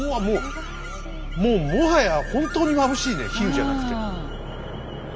もうもうもはや本当にまぶしいね比喩じゃなくて。